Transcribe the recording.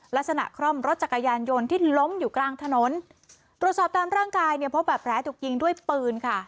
ลักษณะคล่อมรถจักรยานยนต์ที่ล้มอยู่กลางถนนตรวจสอบตามร่างกายเนี่ยพบแบบแผลถูกยิงด้วยปืนค่ะ